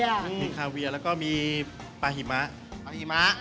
มีคาเวียแล้วก็มีปลาหิมะ